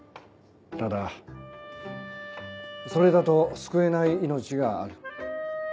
ただそれだと救えない命がある。